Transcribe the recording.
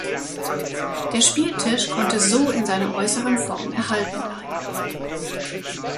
Der Spieltisch konnte so in seiner äußeren Form erhalten bleiben.